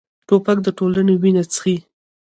توپک د ټولنې وینه څښي.